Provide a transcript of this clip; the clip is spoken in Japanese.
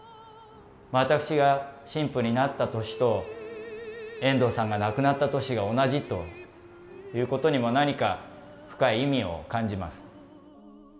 わたくしが神父になった年と遠藤さんが亡くなった年が同じということにも何か深い意味を感じます。